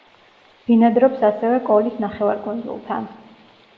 ბინადრობს ასევე კოლის ნახევარკუნძულთან.